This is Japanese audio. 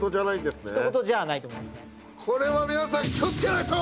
これは皆さん気を付けないと！